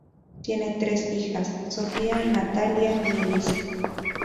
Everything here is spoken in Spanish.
Tiene tres hijas: Sofía, Natalia y Elisa.